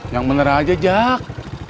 yang bener aja jack